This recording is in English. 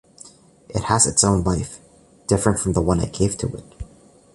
It has its own life - different from the one I gave to it.